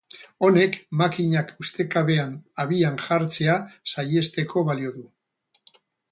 Honek makinak ustekabean abian jartzea saihesteko balio du.